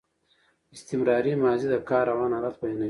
استمراري ماضي د کار روان حالت بیانوي.